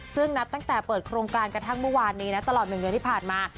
ซึ่งนับตั้งแต่เปิดโครงการกระทั่งเมื่อวานนี้นะตลอด๑เดือนที่ผ่านมา